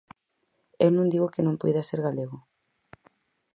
E eu non digo que non poida ser galego.